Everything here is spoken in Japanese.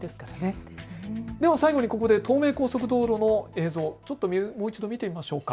ここで最後に東名高速道路の映像、もう一度見てみましょうか。